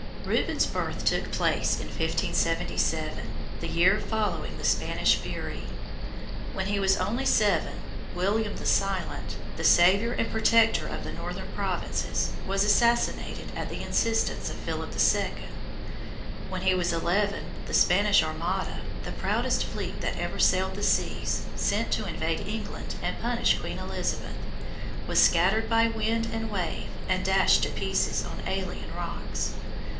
Rubens' birth took place in 1577, the year following the Spanish Fury. When he was only seven, William the Silent, the saviour and protector of the northern provinces, was assassinated at the instance of Philip II. When he was eleven, the Spanish Armada, the proudest fleet that ever sailed the seas, sent to invade England and punish Queen Elizabeth, was scattered by wind and wave and dashed to pieces on alien rocks.